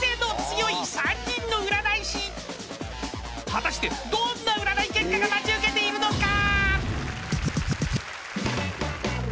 ［果たしてどんな占い結果が待ち受けているのか？］